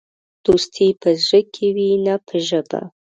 دوستي په زړه کې وي، نه په ژبه.